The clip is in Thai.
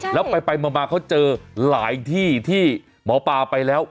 แล้วไปมาเขาเจอหลายที่ที่หมอปลาไปแล้ว